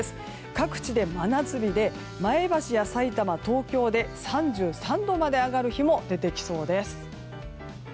各地で真夏日で前橋や、さいたま、東京で３３度まで上がる日も出てきそうです。